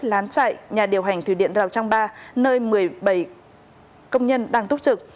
lán chạy nhà điều hành thủy điện rào trang ba nơi một mươi bảy công nhân đang túc trực